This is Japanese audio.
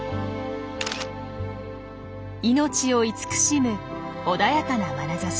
命を慈しむ穏やかなまなざし。